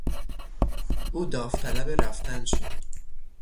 او داوطلب رفتن شد.